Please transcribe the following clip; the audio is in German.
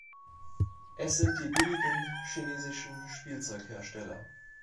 Es sind die billigen chinesischen Spielzeughersteller.